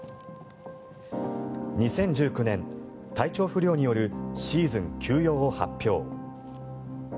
２０１９年、体調不良によるシーズン休養を発表。